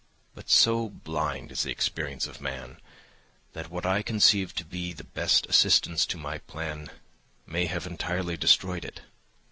But so blind is the experience of man that what I conceived to be the best assistants to my plan may have entirely destroyed it.